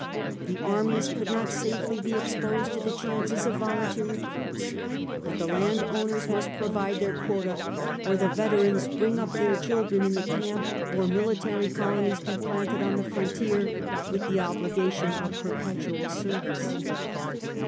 The armies could not safely be exposed to the chances of volunteer recruits; but the landowners must provide their quota, or the veterans bring up their chil dren in the camp, or military colonies be planted on the frontier with the obligation of perpetual service.